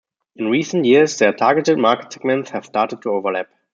In recent years, their targeted market segments have started to overlap.